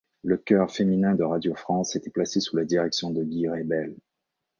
Le Chœur féminin de Radio-France était placé sous la direction de Guy Reibel.